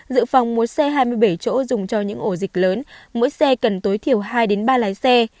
dự phòng mỗi xe hai mươi bảy chỗ dùng cho những ổ dịch lớn mỗi xe cần tối thiểu hai ba lái xe